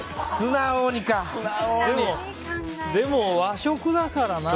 でも、和食だからな。